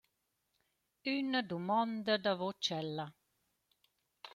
Üna dumonda davo tschella.